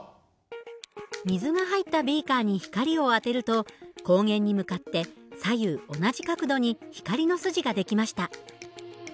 水が入ったビーカーに光を当てると光源に向かって左右同じ角度に光の筋が出来ました。